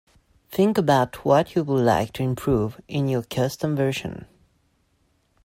Think about what you would like to improve in your custom version.